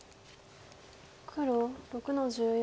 黒６の十四。